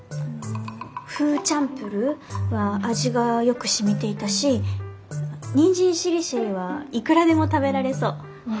フーチャンプルーは味がよくしみていたしにんじんしりしりーはいくらでも食べられそう。